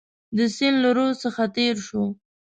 د سیند له رود څخه تېر شو.